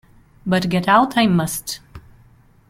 But get out I must.